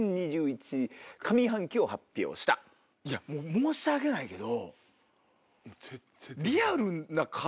申し訳ないけど。